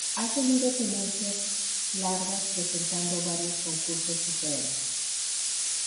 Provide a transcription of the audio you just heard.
Ha tenido tenencias largas presentando varios concursos diferentes.